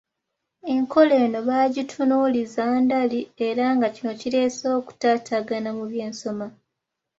Enkola eno baagitunuuliza ndali era nga kino kireseewo okutataagana mu by’ensoma